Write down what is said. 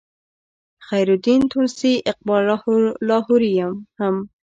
خیرالدین تونسي اقبال لاهوري هم